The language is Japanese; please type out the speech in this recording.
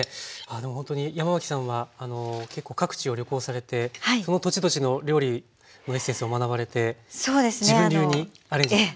ほんとに山脇さんは結構各地を旅行されてその土地土地の料理のエッセンスを学ばれて自分流にアレンジしてらっしゃるんですね。